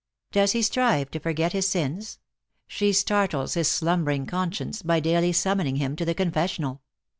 Does he strive to forget his sins? she startles his slumbering conscience by duly summoning him to the confessional.